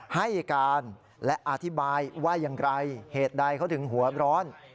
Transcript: ให้การและอธิบายว่าอย่างไรเหตุใดเขาถึงหัวร้อน